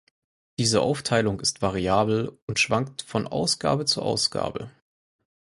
Diese Aufteilung ist variabel und schwankt von Ausgabe zu Ausgabe.